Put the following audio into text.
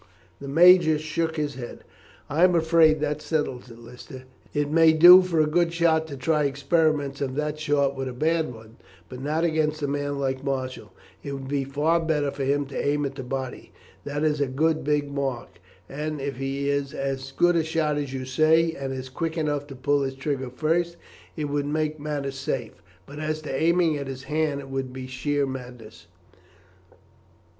The Major shook his head. "I am afraid that settles it, Lister. It may do for a good shot to try experiments of that sort with a bad one, but not against a man like Marshall. It would be far better for him to aim at the body. That is a good big mark, and if he is as good a shot as you say, and is quick enough to pull his trigger first, it would make matters safe, but as to aiming at his hand it would be sheer madness.